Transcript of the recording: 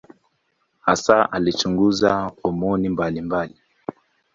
Hasa alichunguza homoni mbalimbali.